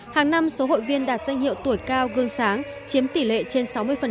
hàng năm số hội viên đạt danh hiệu tuổi cao gương sáng chiếm tỷ lệ trên sáu mươi